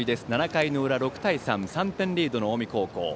７回の裏６対３３点リードの近江高校。